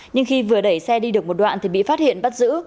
nhưng khi vừa đẩy xe đi được một đoạn thì bị phát hiện bắt giữ